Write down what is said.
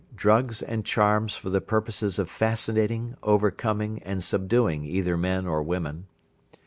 Drugs and charms for the purposes of fascinating, overcoming, and subduing either men or women.